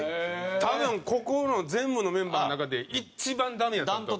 多分ここの全部のメンバーの中で一番ダメやったと。